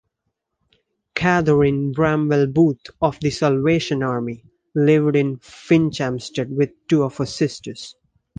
Catherine Bramwell-Booth, of the Salvation Army, lived in Finchampstead with two of her sisters.